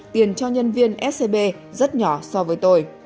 tiền cho nhân viên scb rất nhỏ so với tôi